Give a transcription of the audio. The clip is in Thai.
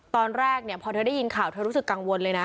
ตอนแรกเนี่ยพอเธอได้ยินข่าวเธอรู้สึกกังวลเลยนะ